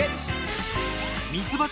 ミツバチ